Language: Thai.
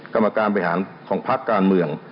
กรรมการบริหารของพักการเมือง